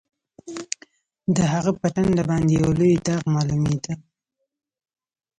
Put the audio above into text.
د هغه په ټنډه باندې یو لوی داغ معلومېده